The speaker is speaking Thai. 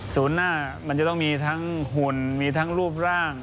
หน้ามันจะต้องมีทั้งหุ่นมีทั้งรูปร่าง